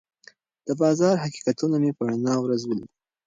د بازار حقیقتونه مې په رڼا ورځ ولیدل.